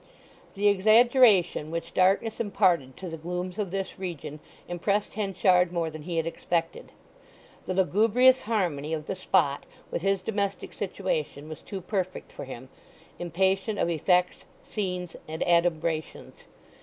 The exaggeration which darkness imparted to the glooms of this region impressed Henchard more than he had expected. The lugubrious harmony of the spot with his domestic situation was too perfect for him, impatient of effects, scenes, and adumbrations.